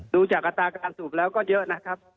ดูจากอัตราการสูบแล้วก็เยอะนะครับ